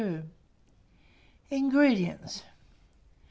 INGREDIENTS.